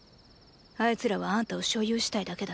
あいつらはあんたを所有したいだけだ。